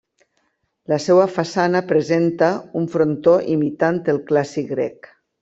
La seva façana presenta un frontó imitant el clàssic grec.